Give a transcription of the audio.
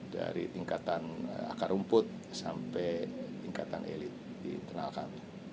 dari tingkatan akar rumput sampai tingkatan elit di internal kami